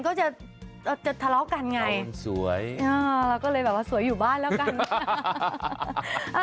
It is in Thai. ก็จะทะเลาะกันไงเราก็เลยแบบว่าสวยอยู่บ้านแล้วกัน